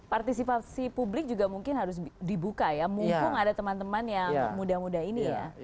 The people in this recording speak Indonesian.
partisipasi publik juga mungkin harus dibuka ya mumpung ada teman teman yang muda muda ini ya